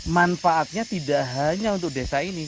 manfaatnya tidak hanya untuk desa ini